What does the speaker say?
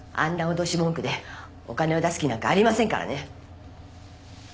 脅し文句でお金を出す気なんかありませんからね